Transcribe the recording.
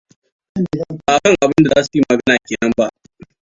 Ba akan abinda zasu yi magana kenan ba.